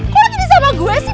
kok lagi disama gue sih